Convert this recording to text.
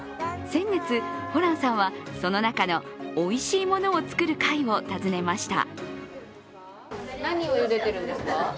先月、ホランさんはその中のおいしいものをつくる会を訪ねました。